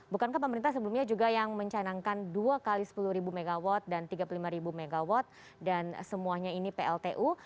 bukankah pemerintah sebelumnya juga yang mencanangkan dua x sepuluh mw dan tiga puluh lima ribu megawatt dan semuanya ini pltu